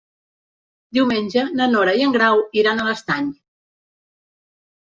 Diumenge na Nora i en Grau iran a l'Estany.